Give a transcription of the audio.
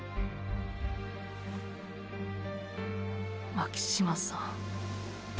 巻島さん。